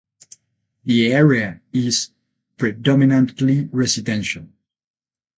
The area is predominantly residential.